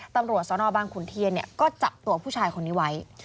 ตำรวจสนบางขุนเทียนก็จับตัวผู้ชายคนนี้ไว้